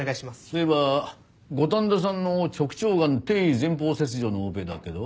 そういえば五反田さんの直腸がん定位前方切除のオペだけど。